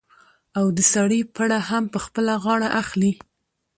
او د سړي پړه هم په خپله غاړه اخلي.